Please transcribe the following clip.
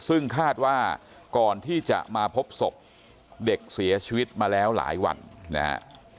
ซึ่งคาดว่าก่อนที่จะมาพบศพเด็กเสียชีวิตมาแล้วหลายวันนะฮะ